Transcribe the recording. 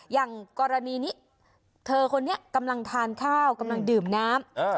อย่างกรณีนี้เธอคนนี้กำลังทานข้าวกำลังดื่มน้ำ